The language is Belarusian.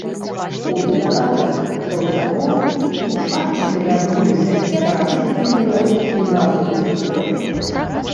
У дадатак да ўсяго, у шахматы вярнуліся і старажытныя беларускія назвы фігурак.